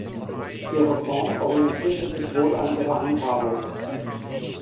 Ihre Form orientierte sich wohl an ihrer Handhabung.